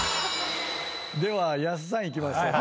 ではやっさんいきましょうか。